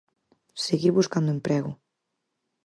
Seguir buscando emprego.